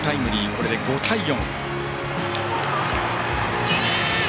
これで５対４。